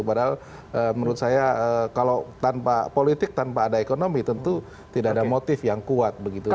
padahal menurut saya kalau tanpa politik tanpa ada ekonomi tentu tidak ada motif yang kuat begitu